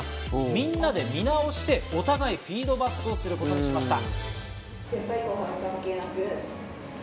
みんなで見直して、お互いフィードバックをすることにしました。